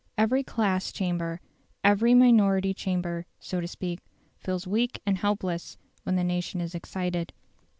Every class chamber, every minority chamber, so to speak, feels weak and helpless when the nation is excited.